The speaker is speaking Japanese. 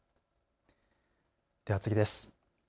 では次です。